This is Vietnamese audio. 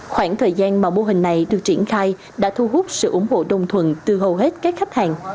khoảng thời gian mà mô hình này được triển khai đã thu hút sự ủng hộ đồng thuận từ hầu hết các khách hàng